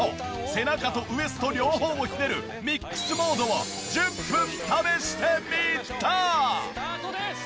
背中とウエスト両方をひねるミックスモードを１０分試してみた！